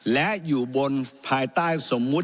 และอยู่บนภายใต้สมมุติ